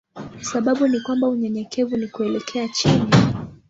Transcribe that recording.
Sababu ni kwamba unyenyekevu ni kuelekea chini.